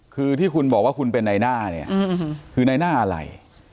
คือที่คุณบอกว่าคุณเป็นในหน้าเนี่ยคือในหน้าอะไร